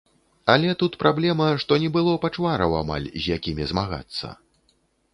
Але тут праблема, што не было пачвараў амаль, з якімі змагацца.